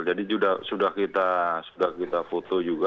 jadi sudah kita foto juga